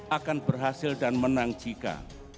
akan berhasil dan menang jika